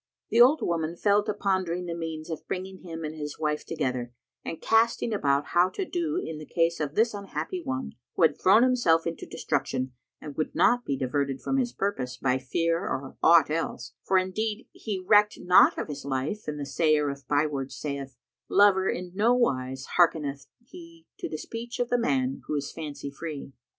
So the old woman fell to pondering the means of bringing him and his wife together and casting about how to do in the case of this unhappy one, who had thrown himself into destruction and would not be diverted from his purpose by fear or aught else; for, indeed he recked not of his life and the sayer of bywords saith, "Lover in nowise hearkeneth he to the speech of the man who is fancy free."